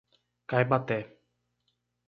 Caibaté